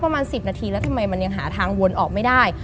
ประมาณ๑๐นาทีแล้วทำไมมันยังหาทางวนออกไม่ได้